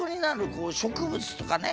こう植物とかね